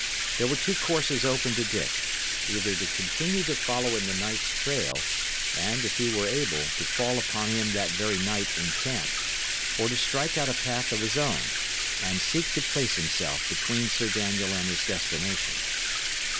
There were two courses open to Dick; either to continue to follow in the knight's trail, and, if he were able, to fall upon him that very night in camp, or to strike out a path of his own, and seek to place himself between Sir Daniel and his destination.